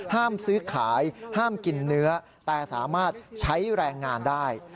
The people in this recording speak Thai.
ห้ามซื้อขายห้ามกินเนื้อแต่สามารถใช้แรงงานได้